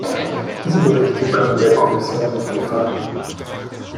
Diese Berichte können der Kommission nicht gefallen.